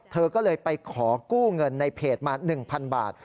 เธอก็เลยไปขอกู้เงินในเพจมา๑๐๐๐บาท